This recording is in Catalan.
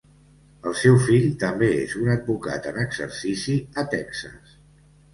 El seu fill també és un advocat en exercici a Texas.